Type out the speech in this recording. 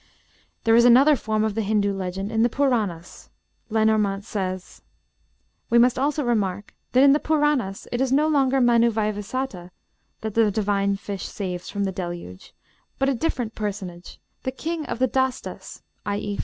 There is another form of the Hindoo legend in the Purânas. Lenormant says: "We must also remark that in the Purânas it is no longer Mann Vaivasata that the divine fish saves from the Deluge, but a different personage, the King of the Dâstas i. e.